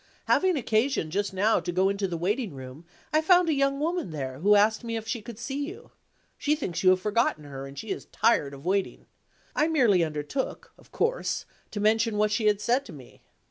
Having occasion, just now, to go into the waiting room, I found a young woman there, who asked me if she could see you. She thinks you have forgotten her, and she is tired of waiting. I merely undertook, of course, to mention what she had said to me."